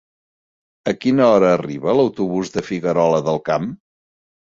A quina hora arriba l'autobús de Figuerola del Camp?